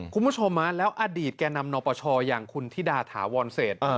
คุณผู้ชมแล้วอดีตแก่นำนปชอย่างคุณธิดาถาวรเศษ